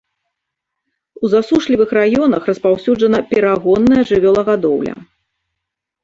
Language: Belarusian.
У засушлівых раёнах распаўсюджана перагонная жывёлагадоўля.